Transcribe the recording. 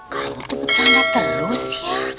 kamu tuh bercanda terus ya